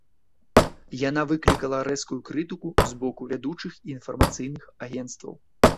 Яна выклікала рэзкую крытыку з боку вядучых інфармацыйных агенцтваў.